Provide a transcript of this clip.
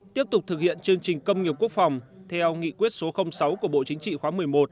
tiếp tục thực hiện chương trình công nghiệp quốc phòng theo nghị quyết số sáu của bộ chính trị khóa một mươi một